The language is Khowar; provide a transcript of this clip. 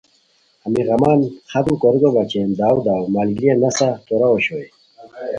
ہمی غمان ختم کوریکو بچین داؤ داؤ ملگیریان نسہ توراؤ اوشوئے